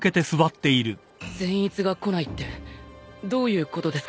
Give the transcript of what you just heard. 善逸が来ないってどういうことですか？